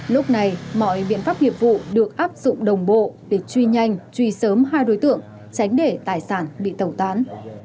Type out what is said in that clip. lúc này mọi biện pháp nghiệp vụ được áp dụng đồng bộ để truy nhanh truy sớm hai đối tượng tránh để tài sản bị tẩu tán